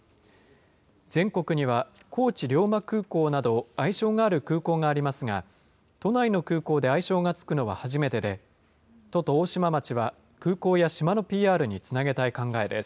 全国には高知龍馬空港など、愛称がある空港がありますが、都内の空港で愛称が付くのは初めてで、都と大島町は、空港や島のＰＲにつなげたい考えです。